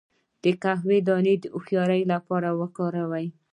د قهوې دانه د هوښیارۍ لپاره وکاروئ